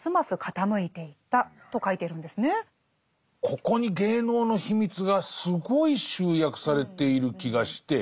ここに芸能の秘密がすごい集約されている気がして。